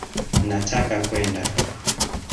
Nataka kwenda